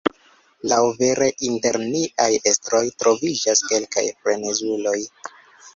Laŭvere, inter niaj estroj troviĝas kelkaj frenezuloj.